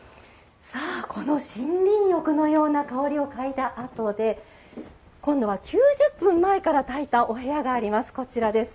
この森林浴のような香りを嗅いだあとで今度は９０分前からたいたお部屋があります。